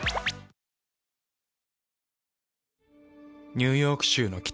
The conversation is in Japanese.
ニューヨーク州の北。